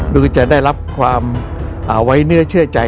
โดยจะได้รับความไว้เนื้อเชื่อใจ